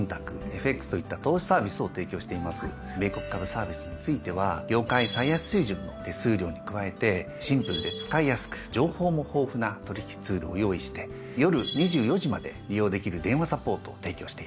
米国株サービスについては業界最安水準の手数料に加えてシンプルで使いやすく情報も豊富な取引ツールを用意して夜２４時まで利用できる電話サポートを提供しています。